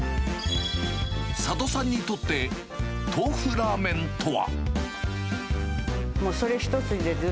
佐渡さんにとって、トーフラーメンとは。